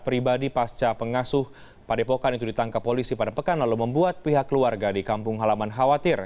pribadi pasca pengasuh padepokan itu ditangkap polisi pada pekan lalu membuat pihak keluarga di kampung halaman khawatir